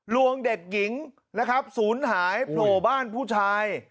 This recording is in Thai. วงเด็กหญิงนะครับศูนย์หายโผล่บ้านผู้ชาย